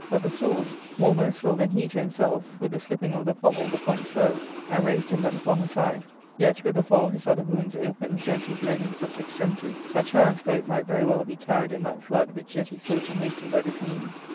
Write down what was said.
But the sword, more merciful than he A A 2 356 ARCADIA.^Book III. to himself, with the slipping of the pommel the point swarved* and rased him but upon the side ; yet with the fall his other wounds opened so as he bled in such extremity that Charon's boat might very well be carried in that flood which yet he sought to hasten by this means.